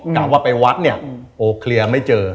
กลับว่าไปวัดเนี่ยโอ้เคลียร์ไม่เจอ